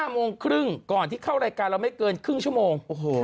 โมงครึ่งก่อนที่เข้ารายการเราไม่เกินครึ่งชั่วโมง